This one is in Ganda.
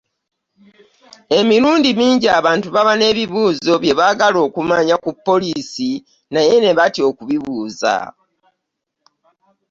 Emirundi mingi abantu baba n’ebibuuzo byebaagala okumanya ku poliisi, naye nebatya okubibuuza.